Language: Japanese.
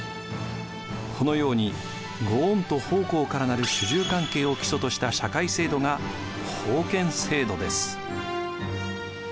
このように御恩と奉公から成る主従関係を基礎とした社会制度が封建制度です。